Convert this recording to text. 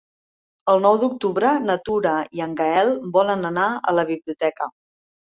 El nou d'octubre na Tura i en Gaël volen anar a la biblioteca.